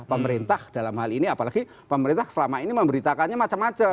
pemerintah dalam hal ini apalagi pemerintah selama ini memberitakannya macam macam